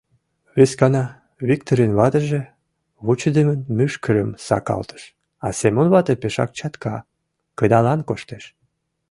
Вескана Виктырын ватыже вучыдымын мӱшкырым сакалтыш, а Семон вате пешак чатка кыдалан коштеш.